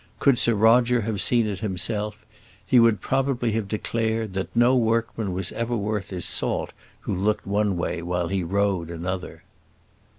Could Sir Roger have seen it himself, he would probably have declared, that no workman was ever worth his salt who looked one way while he rowed another.